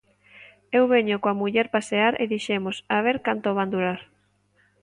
Eu veño coa muller pasear e dixemos a ver canto van durar?